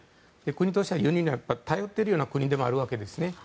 国としては輸入に頼っているような国でもあるわけですね。